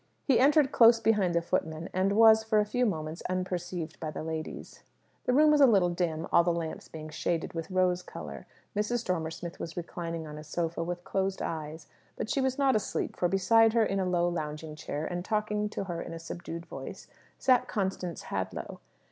He entered close behind the footman, and was, for a few moments, unperceived by the ladies. The room was a little dim; all the lamps being shaded with rose colour. Mrs. Dormer Smith was reclining on a sofa, with closed eyes. But she was not asleep; for beside her in a low lounging chair, and talking to her in a subdued voice, sat Constance Hadlow.